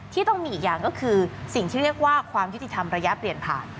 ที่ต้องมีอีกอย่างก็คือสิ่งที่เรียกว่าความยุติธรรมระยะเปลี่ยนผ่าน